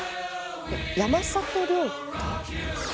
山里亮太？